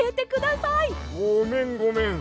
ごめんごめん。